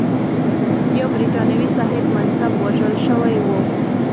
یو برټانوي صاحب منصب وژل شوی و.